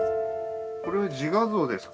これは自画像ですか？